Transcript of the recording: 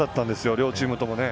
両チームともね。